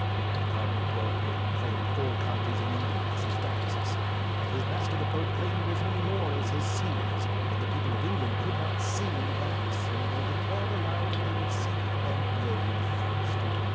"And Cardinal broadbrim claimed four counties in England as his dioces, and his master the Pope claimed as many more as his sees, but the people of England could not see that, so they declared aloud they would see them blowed first.